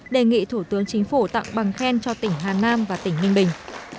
và các đại biểu thống nhất đề nghị chính phủ tặng cờ thi đua cho tỉnh quảng ninh